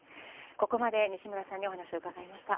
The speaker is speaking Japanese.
ここまで西村さんにお話を伺いました。